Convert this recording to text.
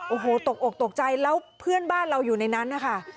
โอ้โหตกอกตกใจแล้วเพื่อนบ้านเราอยู่ในนั้นนะคะ